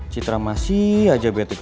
citra masih aja biati ke gue